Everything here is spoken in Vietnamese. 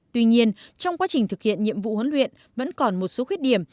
tuy nhiên trong quá trình thực hiện nhiệm vụ huấn luyện vẫn còn một số khuyết điểm